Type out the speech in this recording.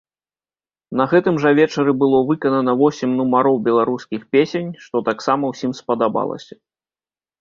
На гэтым жа вечары было выканана восем нумароў беларускіх песень, што таксама ўсім спадабалася.